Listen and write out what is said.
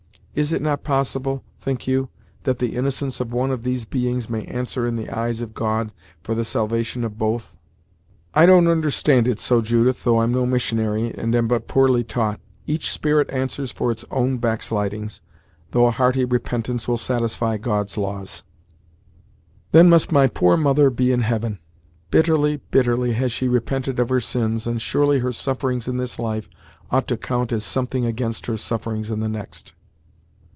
Is it not possible, think you, that the innocence of one of these beings may answer in the eyes of God for the salvation of both?" "I don't understand it so, Judith, though I'm no missionary, and am but poorly taught. Each spirit answers for its own backslidings, though a hearty repentance will satisfy God's laws." "Then must my poor poor mother be in heaven! Bitterly, bitterly has she repented of her sins, and surely her sufferings in this life ought to count as something against her sufferings in the next!"